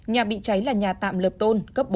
nhà bị cháy là nhà tạm lợp tôn cấp bốn